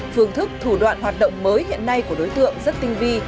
phương thức thủ đoạn hoạt động mới hiện nay của đối tượng rất tinh vi